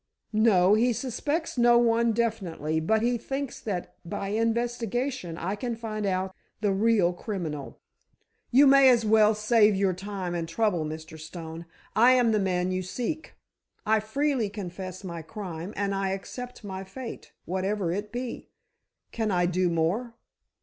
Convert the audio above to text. "No; he suspects no one definitely, but he thinks that by investigation, I can find out the real criminal." "You may as well save your time and trouble, Mr. Stone. I am the man you seek, I freely confess my crime, and I accept my fate, whatever it be. Can I do more?"